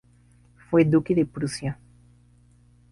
Fue Duque de Prusia.